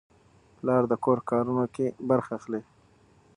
پلار د کور کارونو کې برخه اخلي.